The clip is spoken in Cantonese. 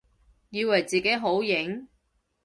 以為自己好型？